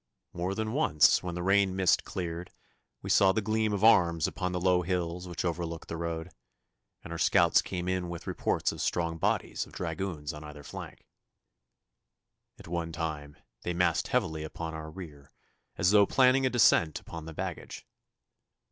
More than once when the rain mist cleared we saw the gleam of arms upon the low hills which overlook the road, and our scouts came in with reports of strong bodies of dragoons on either flank. At one time they massed heavily upon our rear, as though planning a descent upon the baggage.